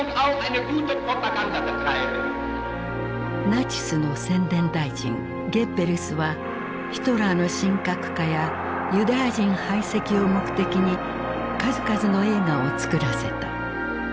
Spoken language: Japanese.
ナチスの宣伝大臣ゲッベルスはヒトラーの神格化やユダヤ人排斥を目的に数々の映画を作らせた。